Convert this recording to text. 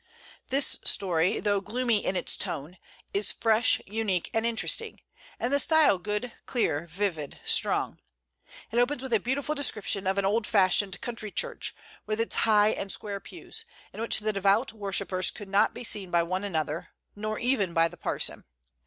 This story, though gloomy in its tone, is fresh, unique, and interesting, and the style good, clear, vivid, strong. It opens with a beautiful description of an old fashioned country church, with its high and square pews, in which the devout worshippers could not be seen by one another, nor even by the parson.